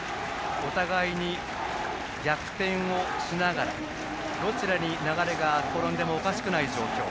お互いに逆転をしながらどちらに流れが転んでもおかしくない状況。